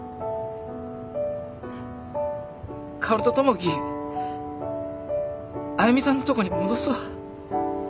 薫と友樹あゆみさんのとこに戻すわ。